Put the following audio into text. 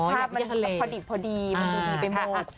อ๋ออย่างพี่ทะเลภาพมันพอดีมันดีไปหมด